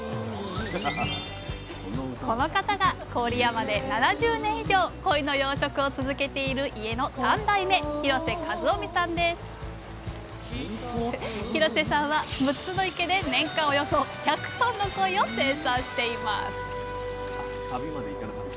この方が郡山で７０年以上コイの養殖を続けている家の３代目廣瀬さんは６つの池で年間およそ１００ｔのコイを生産しています